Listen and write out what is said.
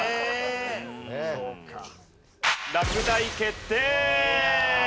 落第決定。